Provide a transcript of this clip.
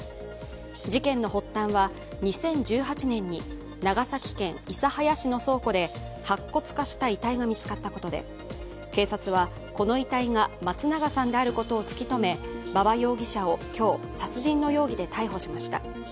事件の発端は２０１８年に長崎県諫早市の倉庫で白骨化した遺体が見つかったことで、警察はこの遺体が松永さんであることを突き止め馬場容疑者を今日、殺人の容疑で逮捕しました。